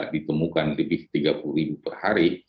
ditemukan lebih tiga puluh ribu per hari